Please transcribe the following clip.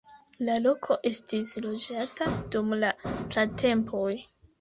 La loko estis loĝata dum la pratempoj.